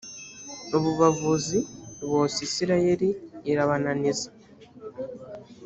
abo bavuzi bosa isirayeli irabananiza